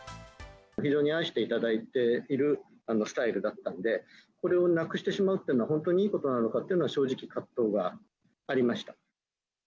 非常に愛していただいているスタイルだったので、これをなくしてしまうっていうのは、本当にいいことなのかっていうのは、正直、葛藤がありました。